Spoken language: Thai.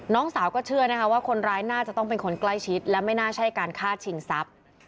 น้องสาวก็เชื่อนะคะว่าคนร้ายน่าจะต้องเป็นคนใกล้ชิดและไม่น่าใช่การฆ่าชิงทรัพย์